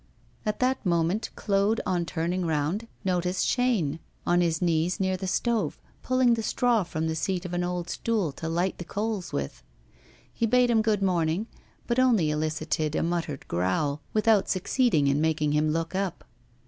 At that moment, Claude, on turning round, noticed Chaîne on his knees near the stove, pulling the straw from the seat of an old stool to light the coals with. He bade him good morning, but only elicited a muttered growl, without succeeding in making him look up.